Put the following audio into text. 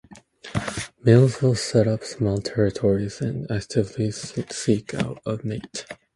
Males will set up small territories and actively seek out a mate.